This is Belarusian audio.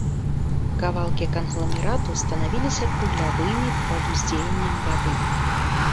Кавалкі кангламерату станавіліся круглявымі пад уздзеяннем вады.